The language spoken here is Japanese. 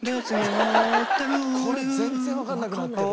これ全然わかんなくなってる。